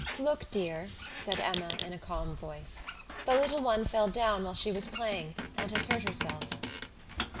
"Look, dear!" said Emma, in a calm voice, "the little one fell down while she was playing, and has hurt herself."